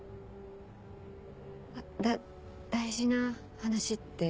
だ大事な話って。